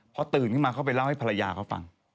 พอตื่นขึ้นมาเขาไปเล่าให้ภรรยาเขาฟัง